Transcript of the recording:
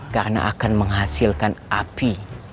karena akan menghasilkan api